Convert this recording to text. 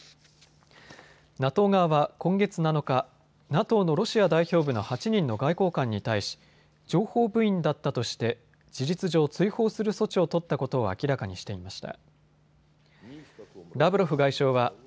ＮＡＴＯ側は今月７日、ＮＡＴＯのロシア代表部の８人の外交官に対し情報部員だったとして事実上、追放する措置を取ったことを明らかにしていました。